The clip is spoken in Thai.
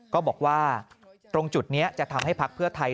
ก็บอกว่าตรงจุดนี้จะทำให้พักเพื่อไทย